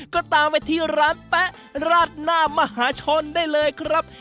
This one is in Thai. ก็ตามไปที่ร้านแป๊ะราดหน้ามหาชนได้เลยครับ